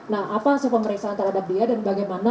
nah apa sepemeriksaan terhadap dia dan bagaimana